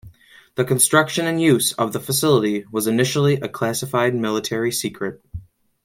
The construction and use of the facility was initially a classified military secret.